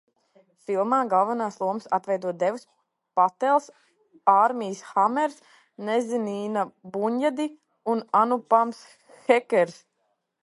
Filmā galvenās lomas atveido Devs Patels, Ārmijs Hammers, Nazenīna Bunjadi un Anupams Khers.